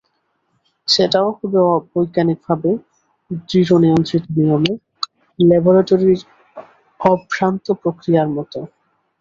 সেটাও হবে বৈজ্ঞানিকভাবে, দৃঢ়নিয়ন্ত্রিত নিয়মে, ল্যাবরেটরির অভ্রান্ত প্রক্রিয়ার মতো।